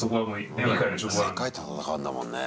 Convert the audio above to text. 世界と戦うんだもんね。